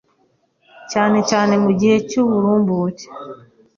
cyane cyane mu gihe cy’uburumbuke